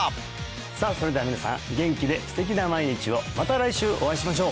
さあそれでは皆さん元気で素敵な毎日をまた来週お会いしましょう